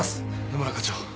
野村科長。